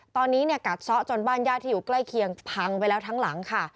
ตอนนี้เนี่ยกัดซะจนบ้านญาติที่อยู่ใกล้เคียงพังไปแล้วทั้งหลังค่ะ